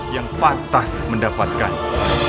yang patas mendapatkannya